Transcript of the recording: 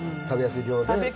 食べやすい量で。